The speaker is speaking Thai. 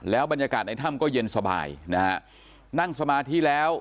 บรรยากาศในถ้ำก็เย็นสบายนะฮะนั่งสมาธิแล้ว